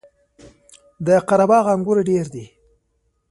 د قره باغ انګور ډیر دي